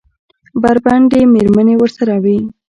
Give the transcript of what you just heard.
بربنډې مېرمنې ورسره وې.